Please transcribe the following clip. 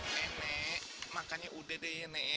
nek nek makannya udah deh ya nek